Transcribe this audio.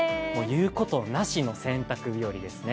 言うことなしの洗濯日和ですね。